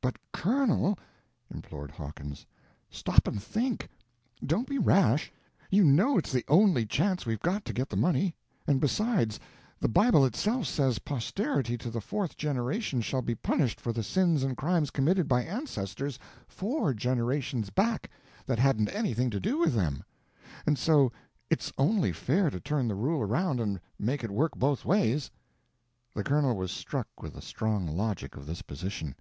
"But Colonel!" implored Hawkins; "stop and think; don't be rash; you know it's the only chance we've got to get the money; and besides, the Bible itself says posterity to the fourth generation shall be punished for the sins and crimes committed by ancestors four generations back that hadn't anything to do with them; and so it's only fair to turn the rule around and make it work both ways." The Colonel was struck with the strong logic of this position.